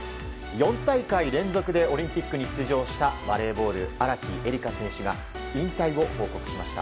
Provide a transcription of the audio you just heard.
４大会連続でオリンピックに出場したバレーボール、荒木絵里香選手が引退を報告しました。